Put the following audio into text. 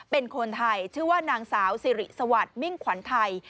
เป็นคนไทยชื่อว่านางสาวสิริสวัสดิ์มิ่งขวัญไทย